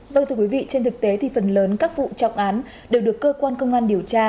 vâng thưa quý vị trên thực tế thì phần lớn các vụ trọng án đều được cơ quan công an điều tra